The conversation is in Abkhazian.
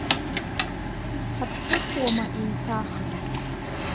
Ҳаԥсыхуама еиҭах.